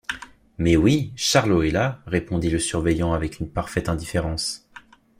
Mais, oui, Charlot est là, répondit le surveillant avec une parfaite indifférence.